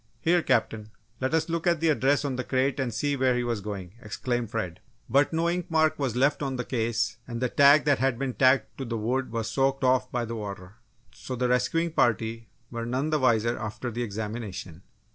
"Here, Captain, let us look at the address on the crate and see where he was going!" exclaimed Fred. But no ink mark was left on the case and the tag that had been tacked to the wood was soaked off by the water. So the rescuing party were none the wiser after the examination.